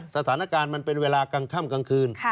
สถานการณ์มันเป็นเวลากลางค่ำกลางคืน